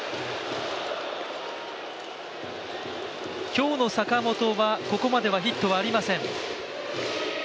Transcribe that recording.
今日の坂本はここまではヒットはありません。